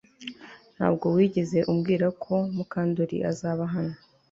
Ntabwo wigeze umbwira ko Mukandoli azaba hano